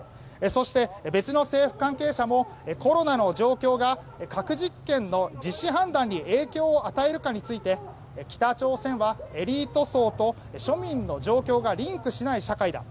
そして別の政府関係者もコロナの状況が核実験の実施判断に影響を与えるかについて北朝鮮はエリート層と庶民の状況がリンクしない社会だ。